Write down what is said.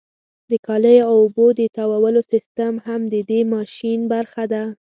د کالیو او اوبو د تاوولو سیستم هم د دې ماشین برخه ده.